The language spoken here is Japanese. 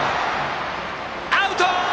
アウト！